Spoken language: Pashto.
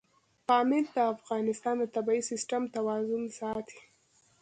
پامیر د افغانستان د طبعي سیسټم توازن ساتي.